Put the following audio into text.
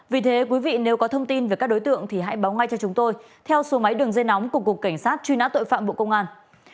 vì thế quý vị nếu có thông tin về các đối tượng thì hãy báo ngay cho chúng tôi theo số máy đường dây nóng của cục cảnh sát truy nã tội phạm bộ công an